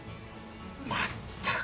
まったく。